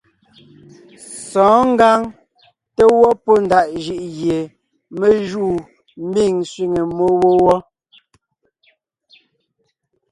Sɔ̌ɔn ngǎŋ té gwɔ́ pɔ́ ndaʼ jʉʼ gie me júu mbiŋ sẅiŋe mmó wó wɔ́.